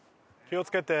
気をつけて。